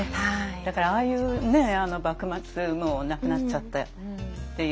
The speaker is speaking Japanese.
だからああいう幕末もうなくなっちゃってっていう感じのところで